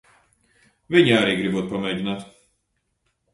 Viņa arī gribot pamēģināt.